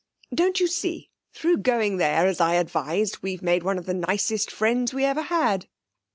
Don't you see, through going there, as I advised, we've made one of the nicest friends we ever had.'